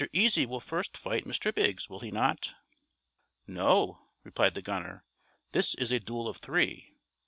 Easy will first fight Mr. Biggs, will he not?" "No," replied the gunner, "this is a duel of three.